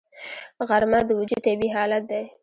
غرمه د وجود طبیعي حالت دی